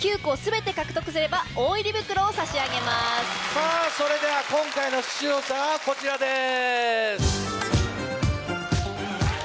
さぁそれでは今回の出場者はこちらです。